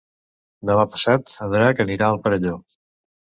Demà passat en Drac anirà al Perelló.